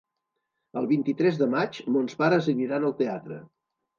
El vint-i-tres de maig mons pares aniran al teatre.